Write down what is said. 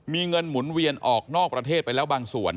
มีเงินหมุนเวียนออกนอกประเทศไปแล้วบางส่วน